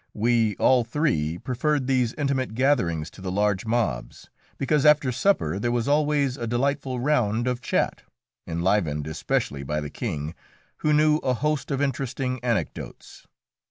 We all three preferred these intimate gatherings to the large mobs, because after supper there was always a delightful round of chat, enlivened especially by the King, who knew a host of interesting anecdotes.